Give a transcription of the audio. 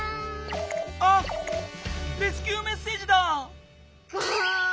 あレスキューメッセージだ！ガーン！